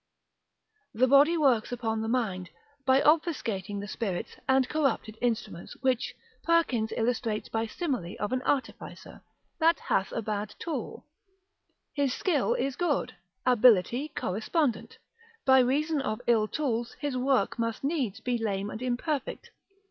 The body works upon the mind, by obfuscating the spirits and corrupted instruments, which Perkins illustrates by simile of an artificer, that hath a bad tool, his skill is good, ability correspondent, by reason of ill tools his work must needs be lame and imperfect.